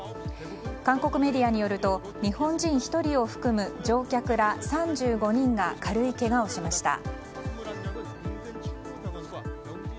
韓国メディアによると日本人１人を含む乗客ら３５人が軽いけがをしました。